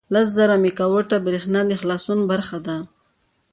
لس زره میګاوټه بریښنا د خلاصون برخه ده.